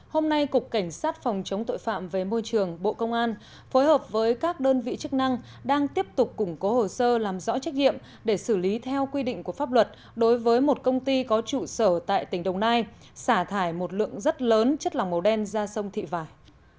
hôm nay cục cảnh sát phòng chống tội phạm về môi trường bộ công an phối hợp với các đơn vị chức năng đang tiếp tục củng cố hồ sơ làm rõ trách nhiệm để xử lý theo quy định của pháp luật đối với một công ty có trụ sở tại tỉnh đồng nai xả thải một lượng rất lớn chất lòng màu đen ra sông thị vải